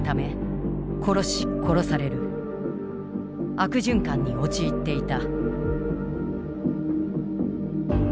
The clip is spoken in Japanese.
悪循環に陥っていた。